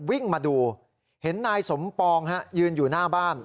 วิ่งมาดูเห็นนายสมปองฮะยืนอยู่หน้าบ้าน